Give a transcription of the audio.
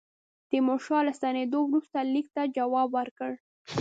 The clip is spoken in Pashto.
تیمورشاه له ستنېدلو وروسته لیک ته جواب ورکړ.